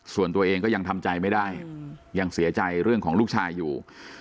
ส่วนตัวเองก็ยังทำใจไม่ได้ยังเสียใจเรื่องของลูกชายอยู่